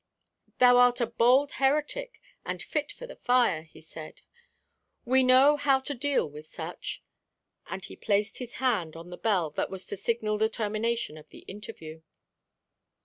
"Thou art a bold heretic, and fit for the fire," he said. "We know how to deal with such." And he placed his hand on the bell that was to signal the termination of the interview.